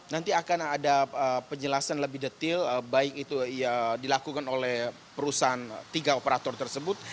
nanti akan ada penjelasan lebih detil baik itu dilakukan oleh perusahaan tiga operator tersebut